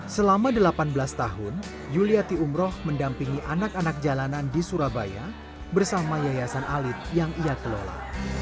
selama delapan belas tahun yuliati umroh mendampingi anak anak jalanan di surabaya bersama yayasan alit yang ia kelola